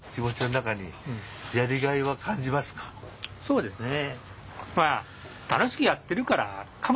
そうですね。